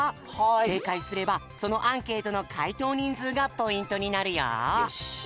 せいかいすればそのアンケートのかいとうにんずうがポイントになるよ。